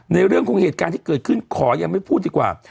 ในเรื่องของเหตุการณ์ที่เกิดขึ้นขอยังไม่พูดดีกว่า